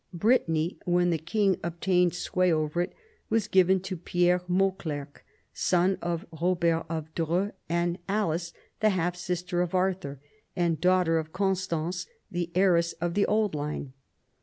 Brittany, when the king obtained sway over it, was given to Pierre Mauclerc, son of Robert of Dreux and Alice, the half sister of Arthur, and daughter of Constance, the heiress of the old line.